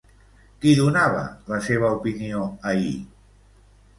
Qui donava la seva opinió ahir?